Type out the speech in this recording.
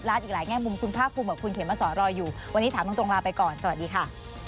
อาจารย์อย่างนี้ขอบพระคุณค่ะวันนี้ทามตรงลาไปก่อนสวัสดีค่ะ